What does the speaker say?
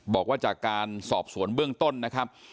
บอกว่าจากการสอบสวนเบื้องต้นนะครับ